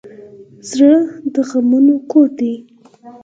زړه د غمونو کور دی.